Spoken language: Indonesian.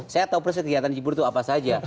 saya tahu persediaan cibubur itu apa saja